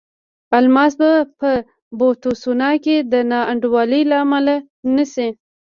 الماس به په بوتسوانا کې د نا انډولۍ لامل نه شي.